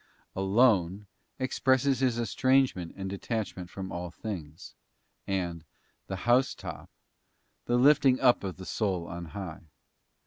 '* 'Alone' expresses his estrangement and detachment from all things; and the 'housetop' the lifting up of the soul on high.